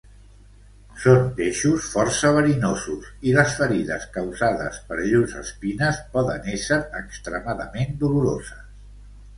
Són peixos força verinosos i les ferides causades per llurs espines poden ésser extremadament doloroses.